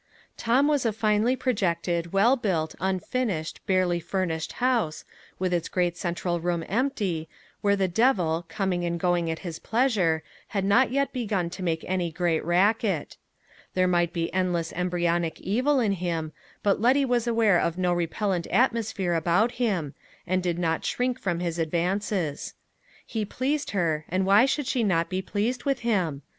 Tom was a finely projected, well built, unfinished, barely furnished house, with its great central room empty, where the devil, coming and going at his pleasure, had not yet begun to make any great racket. There might be endless embryonic evil in him, but Letty was aware of no repellent atmosphere about him, and did not shrink from his advances. He pleased her, and why should she not be pleased with him?